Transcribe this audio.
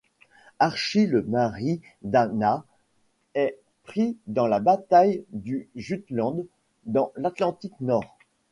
Archie le mari d'Hannah est pris dans la bataille du Jutland dans l'Atlantique nord.